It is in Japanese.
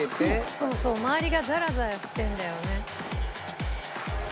そうそう周りがザラザラしてるんだよね。